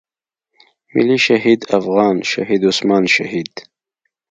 ملي شهيد افغان شهيد عثمان شهيد.